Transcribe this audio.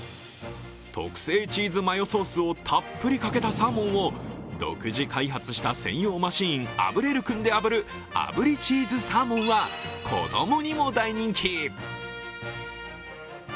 特製チーズマヨソースをたっぷりかけたサーモンを独自開発した専用マシーンあぶれるくんであぶるあぶりチーズサーモンは子供にも大人気。